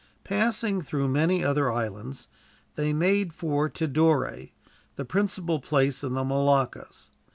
Passing through many other islands they made for Tidore, the principal place in the Moluccas.